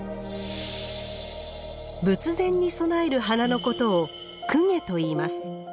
仏前に備える花のことを「供華」といいます。